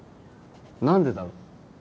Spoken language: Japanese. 何でだろ？